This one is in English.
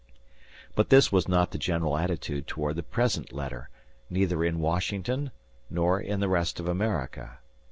But this was not the general attitude toward the present letter, neither in Washington, nor in the rest of America.